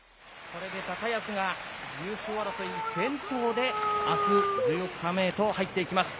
これで高安が、優勝争い先頭で、あす１４日目へと入っていきます。